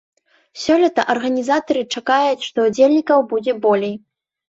Сёлета арганізатары чакаюць, што ўдзельнікаў будзе болей.